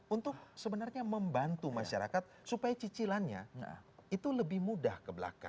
untuk sebenarnya membantu masyarakat supaya cicilannya itu lebih mudah ke belakang